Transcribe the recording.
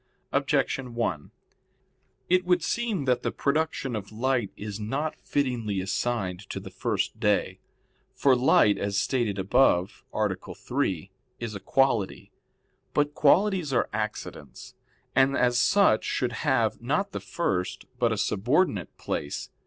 Objection 1: It would seem that the production of light is not fittingly assigned to the first day. For light, as stated above (A. 3), is a quality. But qualities are accidents, and as such should have, not the first, but a subordinate place.